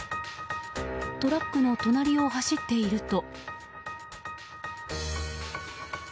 トラックの隣を走っていると。